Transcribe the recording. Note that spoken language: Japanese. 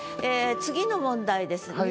ええ次の問題です。